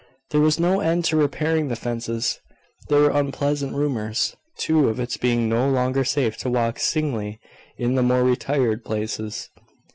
There was no end to repairing the fences. There were unpleasant rumours, too, of its being no longer safe to walk singly in the more retired places.